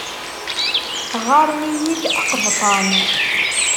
Ɣɣaren-iyi-d aqebṭan.